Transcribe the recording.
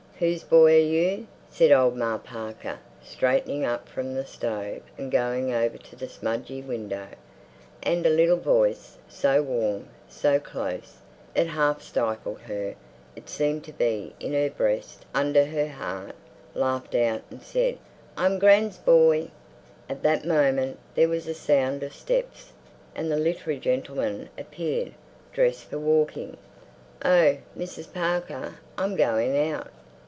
"Whose boy are you?" said old Ma Parker, straightening up from the stove and going over to the smudgy window. And a little voice, so warm, so close, it half stifled her—it seemed to be in her breast under her heart—laughed out, and said, "I'm gran's boy!" At that moment there was a sound of steps, and the literary gentleman appeared, dressed for walking. "Oh, Mrs. Parker, I'm going out."